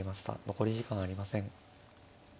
残り時間はありません。